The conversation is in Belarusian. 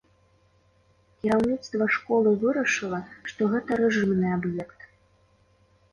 Кіраўніцтва школы вырашыла, што гэта рэжымны аб'ект.